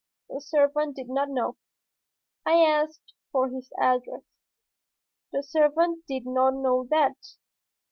The servant did not know. I asked for his address. The servant did not know that.